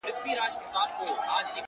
o د ځان وژني د رسۍ خریدارۍ ته ولاړم ـ